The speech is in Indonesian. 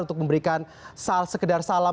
untuk memberikan sekedar salam